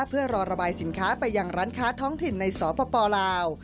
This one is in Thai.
เพื่อรอระบายสินค้าไปยังร้านค้าท้องถิ่นในสปลาว